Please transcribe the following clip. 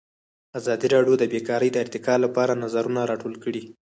ازادي راډیو د بیکاري د ارتقا لپاره نظرونه راټول کړي.